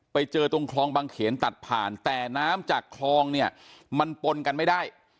ไปเจอตรงคลองบางเขนตัดผ่านแต่น้ำจากคลองเนี่ยมันปนกันไม่ได้